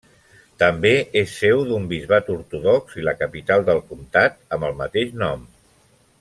També és seu d'un bisbat ortodox i la capital del comtat amb el mateix nom.